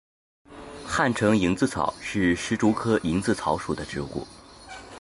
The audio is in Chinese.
汉城蝇子草是石竹科蝇子草属的植物。